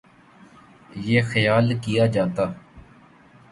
یہ خیال کیا جاتا